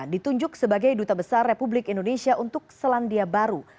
ditunjuk sebagai duta besar republik indonesia untuk selandia baru